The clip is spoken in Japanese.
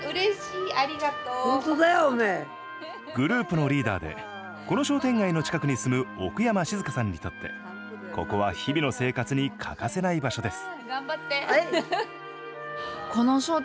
グループのリーダーでこの商店街の近くに住む奥山静香さんにとってここは日々の生活に欠かせない場所です。